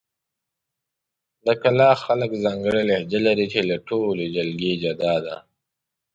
د کلاخ خلک ځانګړې لهجه لري، چې له ټولې جلګې جدا ده.